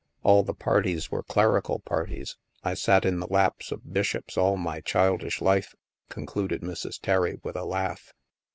All the parties were clerical parties. I sat in the laps of Bishops all my childish life," concluded Mrs. Terry with a laugh.